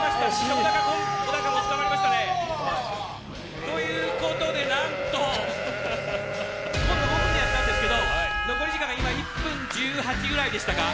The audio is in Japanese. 小高アナが捕まりましたね。ということで、何と５分でやったんですけど残り時間１分１８くらいでしたか。